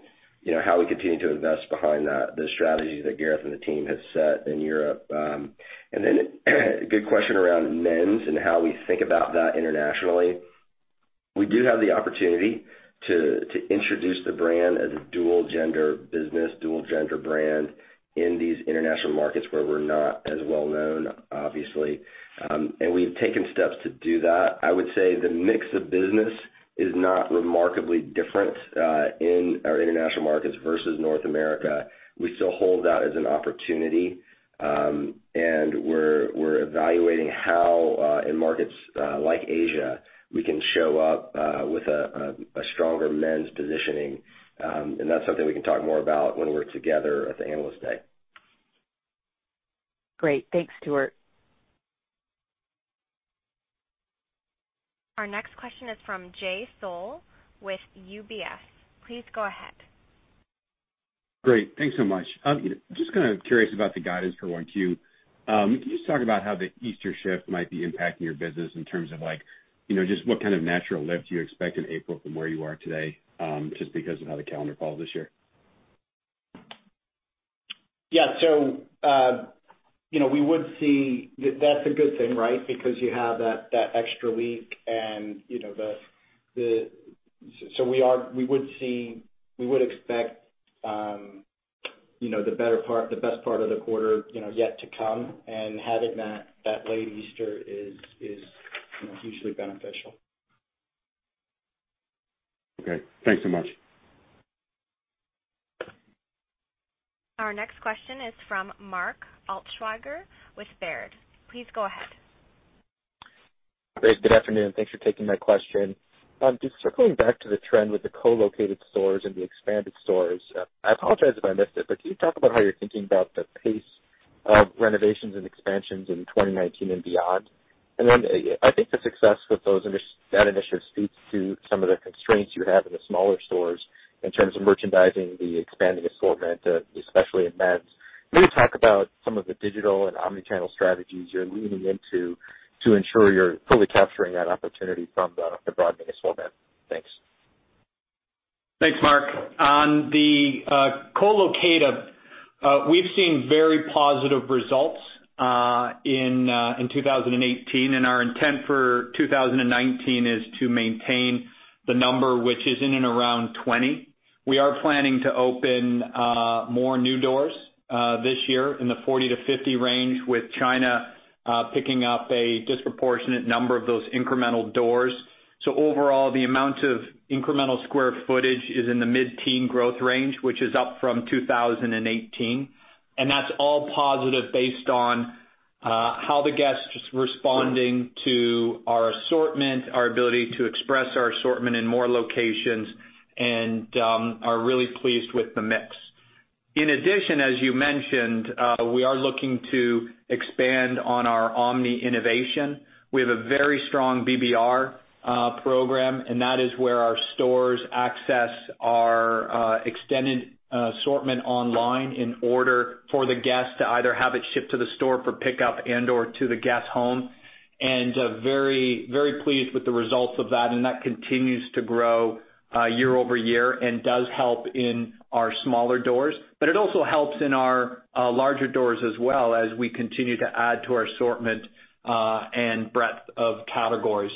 how we continue to invest behind that, the strategy that Gareth and the team have set in Europe. A good question around men's and how we think about that internationally. We do have the opportunity to introduce the brand as a dual gender business, dual gender brand in these international markets where we're not as well-known, obviously. We've taken steps to do that. I would say the mix of business is not remarkably different in our international markets versus North America. We still hold that as an opportunity. We're evaluating how, in markets like Asia, we can show up with a stronger men's positioning. That's something we can talk more about when we're together at the Analyst Day. Great. Thanks, Stuart. Our next question is from Jay Sole with UBS. Please go ahead. Great. Thanks so much. Just kind of curious about the guidance for 1Q. Can you just talk about how the Easter shift might be impacting your business in terms of just what kind of natural lift you expect in April from where you are today, just because of how the calendar falls this year? Yeah. That's a good thing, right? Because you have that extra week and so we would expect the best part of the quarter yet to come and having that late Easter is hugely beneficial. Okay. Thanks so much. Our next question is from Mark Altschwager with Baird. Please go ahead. Great. Good afternoon. Thanks for taking my question. Just circling back to the trend with the co-located stores and the expanded stores. I apologize if I missed it, but can you talk about how you're thinking about the pace of renovations and expansions in 2019 and beyond? I think the success with that initiative speaks to some of the constraints you have in the smaller stores in terms of merchandising, the expanding assortment, especially in men's. Can you talk about some of the digital and omni-channel strategies you're leaning into to ensure you're fully capturing that opportunity from the broadening assortment? Thanks. Thanks, Mark. On the co-located, we've seen very positive results in 2018, our intent for 2019 is to maintain the number, which is in and around 20. We are planning to open more new doors this year in the 40 to 50 range with China picking up a disproportionate number of those incremental doors. Overall, the amount of incremental square footage is in the mid-teen growth range, which is up from 2018. That's all positive based on how the guest is responding to our assortment, our ability to express our assortment in more locations and are really pleased with the mix. In addition, as you mentioned, we are looking to expand on our omni-innovation. We have a very strong BBR program, that is where our stores access our extended assortment online in order for the guest to either have it shipped to the store for pickup and/or to the guest home. Very pleased with the results of that continues to grow year over year and does help in our smaller doors. It also helps in our larger doors as well as we continue to add to our assortment, and breadth of categories.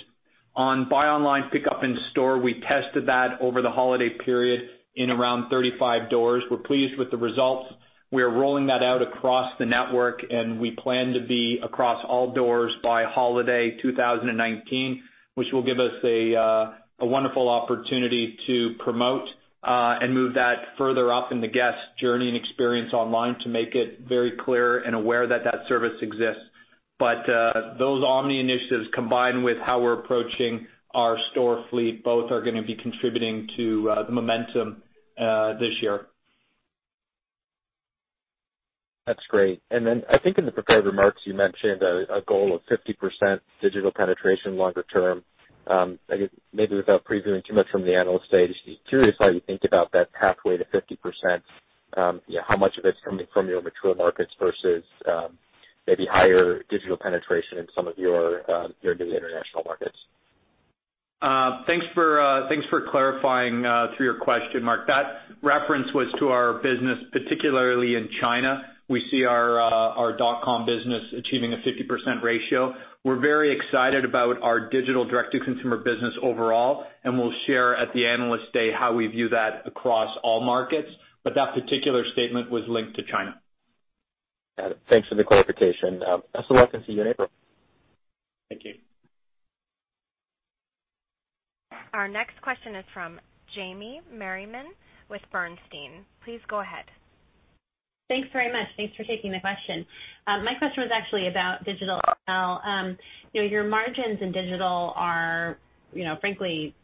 On buy online, pickup in store, we tested that over the holiday period in around 35 doors. We're pleased with the results. We are rolling that out across the network, we plan to be across all doors by holiday 2019, which will give us a. A wonderful opportunity to promote and move that further up in the guest journey and experience online to make it very clear and aware that that service exists. Those omni-initiatives, combined with how we're approaching our store fleet, both are going to be contributing to the momentum this year. That's great. I think in the prepared remarks, you mentioned a goal of 50% digital penetration longer term. I guess maybe without previewing too much from the Analyst Day, just curious how you think about that pathway to 50%. How much of it's coming from your mature markets versus maybe higher digital penetration in some of your new international markets. Thanks for clarifying through your question, Mark. That reference was to our business, particularly in China. We see our dot-com business achieving a 50% ratio. We're very excited about our digital direct-to-consumer business overall, and we'll share at the Analyst Day how we view that across all markets. That particular statement was linked to China. Got it. Thanks for the clarification. Best of luck and see you in April. Thank you. Our next question is from Jamie Merriman with Bernstein. Please go ahead. Thanks very much. Thanks for taking my question. My question was actually about digital as well. Your margins in digital are frankly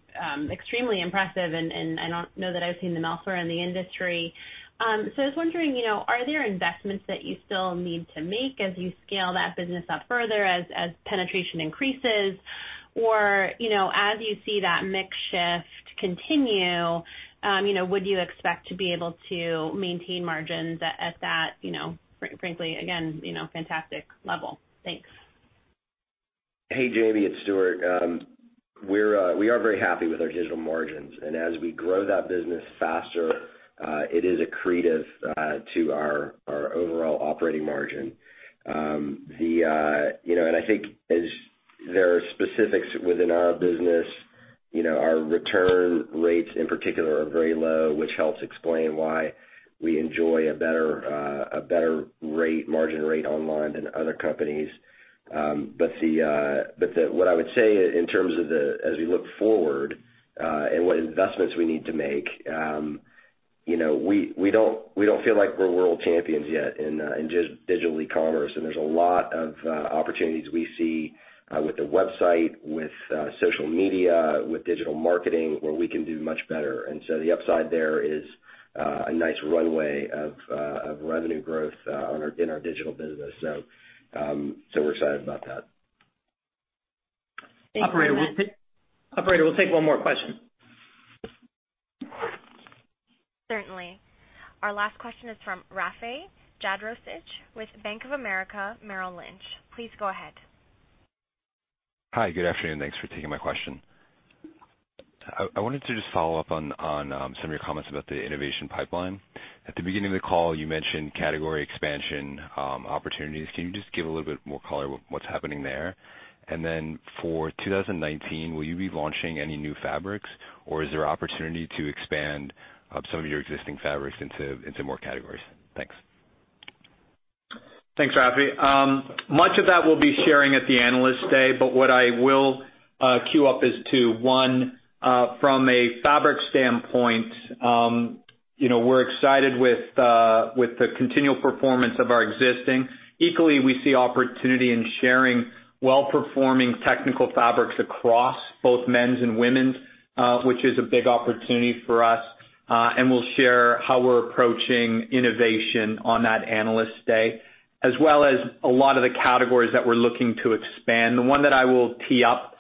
extremely impressive, and I don't know that I've seen them elsewhere in the industry. I was wondering, are there investments that you still need to make as you scale that business up further as penetration increases? As you see that mix shift continue, would you expect to be able to maintain margins at that, frankly, again, fantastic level? Thanks. Hey, Jamie, it's Stuart. We are very happy with our digital margins. As we grow that business faster, it is accretive to our overall operating margin. I think as there are specifics within our business, our return rates in particular are very low, which helps explain why we enjoy a better margin rate online than other companies. What I would say in terms of as we look forward and what investments we need to make, we don't feel like we're world champions yet in digital e-commerce. There's a lot of opportunities we see with the website, with social media, with digital marketing, where we can do much better. The upside there is a nice runway of revenue growth in our digital business. We're excited about that. Thank you for that. Operator, we'll take one more question. Certainly. Our last question is from Rafe Jadrosich with Bank of America Merrill Lynch. Please go ahead. Hi. Good afternoon. Thanks for taking my question. I wanted to just follow up on some of your comments about the innovation pipeline. At the beginning of the call, you mentioned category expansion opportunities. Can you just give a little bit more color what's happening there? Then for 2019, will you be launching any new fabrics, or is there opportunity to expand some of your existing fabrics into more categories? Thanks. Thanks, Rafe. Much of that we'll be sharing at the Analyst Day, what I will queue up is to, one, from a fabric standpoint, we're excited with the continual performance of our existing. Equally, we see opportunity in sharing well-performing technical fabrics across both men's and women's, which is a big opportunity for us. We'll share how we're approaching innovation on that Analyst Day, as well as a lot of the categories that we're looking to expand. The one that I will tee up,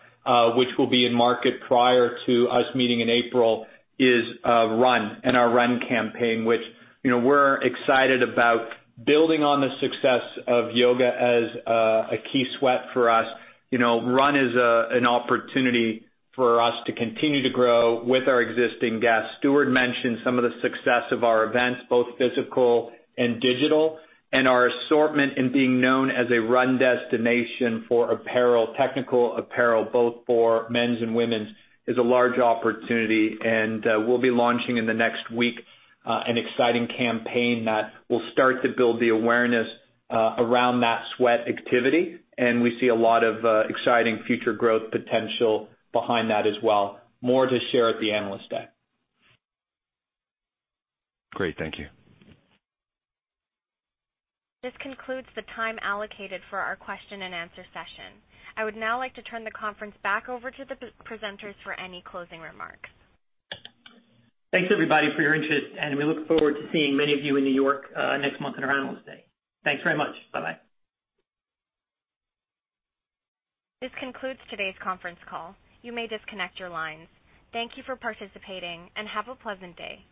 which will be in market prior to us meeting in April, is run and our run campaign, which we're excited about building on the success of yoga as a key sweat for us. Run is an opportunity for us to continue to grow with our existing guests. Stuart mentioned some of the success of our events, both physical and digital. Our assortment in being known as a run destination for apparel, technical apparel, both for men's and women's, is a large opportunity. We'll be launching in the next week an exciting campaign that will start to build the awareness around that sweat activity, and we see a lot of exciting future growth potential behind that as well. More to share at the Analyst Day. Great. Thank you. This concludes the time allocated for our question and answer session. I would now like to turn the conference back over to the presenters for any closing remarks. Thanks, everybody, for your interest. We look forward to seeing many of you in New York next month at our Analyst Day. Thanks very much. Bye-bye. This concludes today's conference call. You may disconnect your lines. Thank you for participating and have a pleasant day.